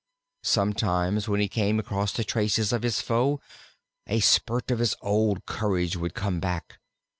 Sometimes when he came across the traces of his foe, a spurt of his old courage would come back.